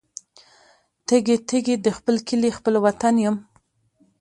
تږي، تږي د خپل کلي خپل وطن یم